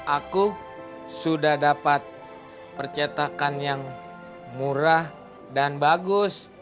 aku sudah dapat percetakan yang murah dan bagus